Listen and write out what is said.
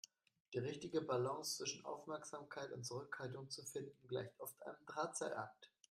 Die richtige Balance zwischen Aufmerksamkeit und Zurückhaltung zu finden, gleicht oft einem Drahtseilakt.